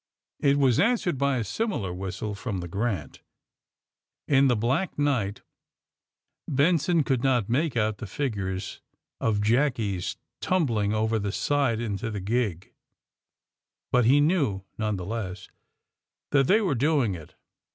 It was answered by a simi lar whistle from the *^ Grant." In the black night Benson could not make out the figures of jackies tumbling over the side into the gig, but he knew, none the less, that they were doing it.